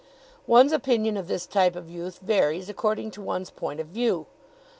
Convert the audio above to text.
One's opinion of this type of youth varies according to one's point of view.